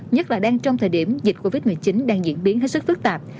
nhất là đang trong thời điểm dịch covid một mươi chín đang diễn biến hết sức phức tạp